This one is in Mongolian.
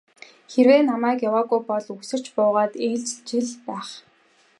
Хэрэв намайг яваагүй бол үсэрч буугаад ээлжилчих л байх.